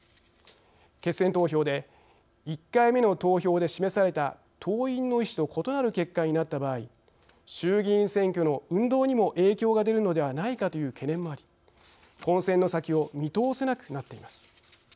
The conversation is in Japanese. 決選投票で１回目の投票で示された党員の意思と異なる結果になった場合衆議院選挙の運動にも影響が出るのではないかという懸念もあり混戦の先を見通せなくなっています。